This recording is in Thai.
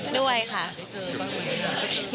ได้เจอบ้างกันไหม